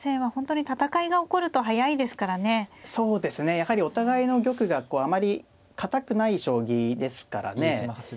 やはりお互いの玉があまり堅くない将棋ですからね。